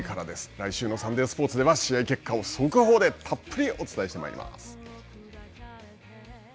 来週のサンデースポーツでは、試合結果を速報でたっぷりお伝えしてまいります。